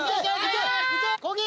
こげ！